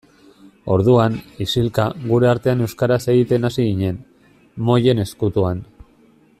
Orduan, isilka, gure artean euskaraz egiten hasi ginen, mojen ezkutuan.